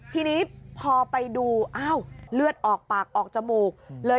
ทีนี้พอไปดูอ้าวเลือดออกปากออกจมูกเลย